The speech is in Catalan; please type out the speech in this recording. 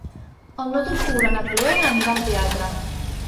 El nou d'octubre na Cloè anirà al teatre.